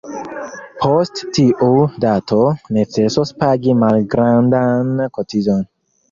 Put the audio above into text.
Post tiu dato, necesos pagi malgrandan kotizon.